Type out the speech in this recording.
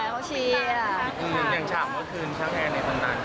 เขาเชี่ยวะอย่างฉากเมื่อคืนช่างแทนในซ่างนานเขา